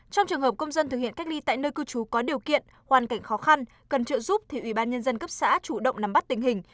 trong trường hợp công dân thực hiện cách ly tại nơi cư trú có điều kiện hoàn cảnh khó khăn cần trợ giúp thì ubnd cấp xã chủ động nắm bắt tình hình